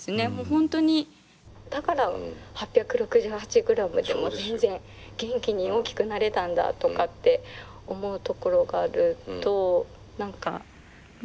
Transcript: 本当にだから８６８グラムでも全然元気に大きくなれたんだとかって思うところがあると何かね。